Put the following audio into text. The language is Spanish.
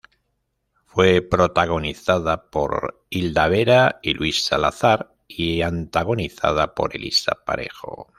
Fue protagonizada por Hilda Vera y Luis Salazar, y antagonizada por Elisa Parejo.